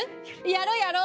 やろやろ。